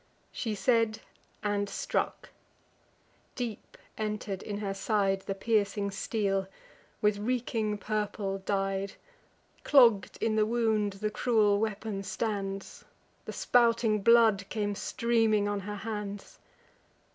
She said, and struck; deep enter'd in her side The piercing steel, with reeking purple dyed: Clogg'd in the wound the cruel weapon stands; The spouting blood came streaming on her hands.